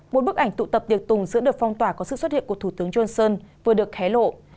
một bức ảnh tụ tập tiệc tùng giữa đợt phong tỏa có sự xuất hiện của thủ tướng johnson vừa được hé lộ